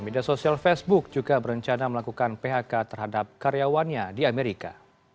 media sosial facebook juga berencana melakukan phk terhadap karyawannya di amerika